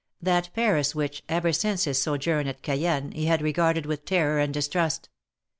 That Paris which, ever since his sojourn at Cayenne, he had regarded with terror and distrust.